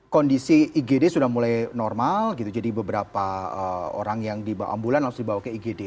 kondisi igd sudah mulai normal jadi beberapa orang yang di ambulan harus dibawa ke igd